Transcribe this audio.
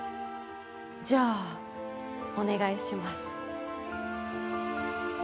じゃあお願いします。